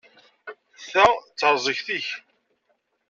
Ta d tarzeft-ik.